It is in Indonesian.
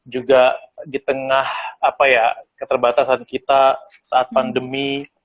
juga di tengah apa ya keterbatasan kita saat pandemi